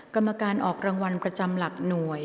กรรมการออกรางวัลประจำหลักหน่วย